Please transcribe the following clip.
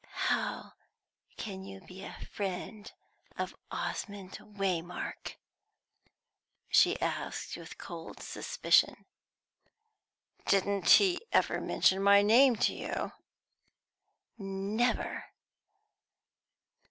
"How can you be a friend of Osmond Waymark?" she asked, with cold suspicion. "Didn't he ever mention my name to you?" "Never."